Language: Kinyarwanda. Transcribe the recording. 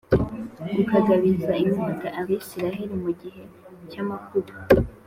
ukagabiza inkota Abisirayeli mu gihe cy amakuba